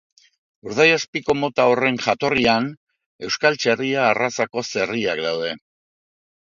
Urdaiazpiko mota horren jatorrian euskal txerria arrazako zerriak daude.